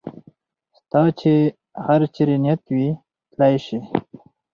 ستا چې هر چېرې نیت وي تلای شې.